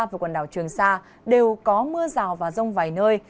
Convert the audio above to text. và quần đảo trường sa đều có mưa rào và rông vài nơi